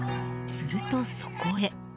すると、そこへ。